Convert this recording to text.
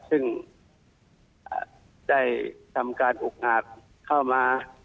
ซึ่งได้ทำการอุกอาจเข้ามา